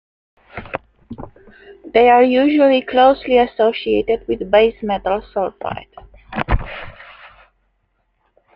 They are usually closely associated with basemetal sulfide.